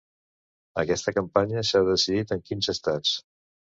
Aquesta campanya s’ha decidit en quinze estats.